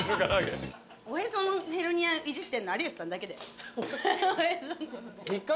おへそのヘルニアいじってんの有吉さんだけだよ。